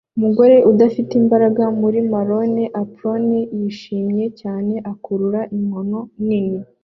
Umugore udafite imbaraga muri marone apron yishimye cyane akurura inkono nini